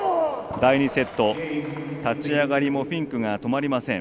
第２セット、立ち上がりもフィンクが止まりません。